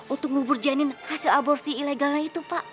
untuk ngubur janin hasil aborsi ilegalnya itu pak